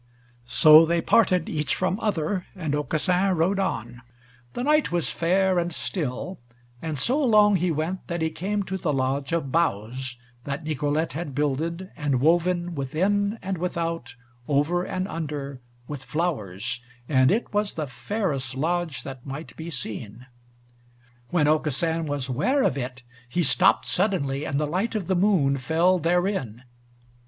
So they parted each from other, and Aucassin rode on: the night was fair and still, and so long he went that he came to the lodge of boughs, that Nicolete had builded and woven within and without, over and under, with flowers, and it was the fairest lodge that might be seen. When Aucassin was ware of it, he stopped suddenly, and the light of the moon fell therein.